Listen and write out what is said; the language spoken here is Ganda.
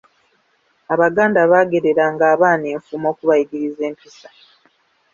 Abaganda baagereranga abaana enfumo okubayigiriza empisa.